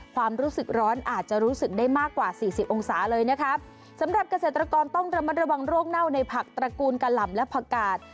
ความรู้สึกร้อนอาจจะรู้สึกได้มากกว่าสี่สิบองศาเลยนะคะสำหรับเกษตรกรต้องระมัดระวังโรคเน่าในผักตระกูลกะหล่ำและผักกาด